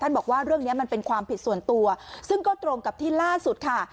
บอกว่าเรื่องนี้มันเป็นความผิดส่วนตัวซึ่งก็ตรงกับที่ล่าสุดค่ะ